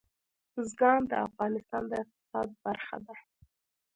بزګان د افغانستان د اقتصاد برخه ده.